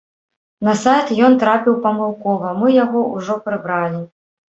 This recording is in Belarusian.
На сайт ён трапіў памылкова, мы яго ўжо прыбралі.